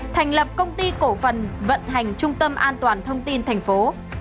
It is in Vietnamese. thành lập công ty cổ phần vận hành trung tâm an toàn thông tin thành phố